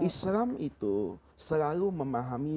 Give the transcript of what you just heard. islam itu selalu memahami